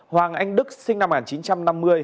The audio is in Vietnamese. hoàng anh đức sinh năm một nghìn chín trăm năm mươi